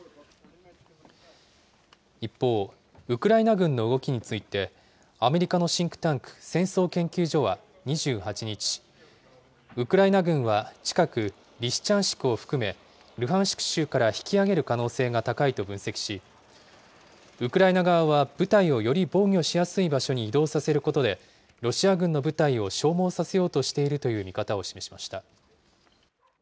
一方、ウクライナ軍の動きについて、アメリカのシンクタンク、戦争研究所は２８日、ウクライナ軍は近く、リシチャンシクを含め、ルハンシク州から引き揚げる可能性が高いと分析し、ウクライナ側は部隊をより防御しやすい場所に移動させることで、ロシア軍の部隊を消耗させようとしているという見方を示しました。